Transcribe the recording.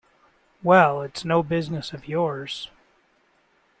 Well, it's no business of yours.